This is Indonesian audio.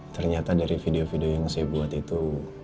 ternyata dari video video yang saya buat itu